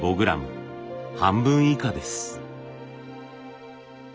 半分以下です。